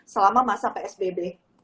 selama masa psbb